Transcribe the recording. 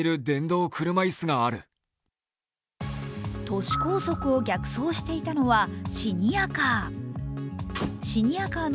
都市高速を逆走していたのはシニアカー。